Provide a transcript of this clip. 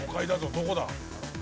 どこだ？